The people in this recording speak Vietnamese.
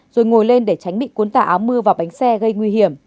rồi ngồi lên để tránh bị cuốn tả áo mưa vào bánh xe gây nguy hiểm